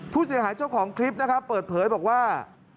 ผู้เสียหายเจ้าของคลิปเปิดเผยบอกว่า